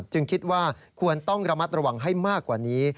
จึงคิดว่าควรต้องระมัดระวังให้มากกว่านี้